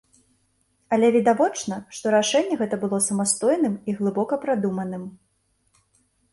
Але відавочна, што рашэнне гэта было самастойным і глыбока прадуманым.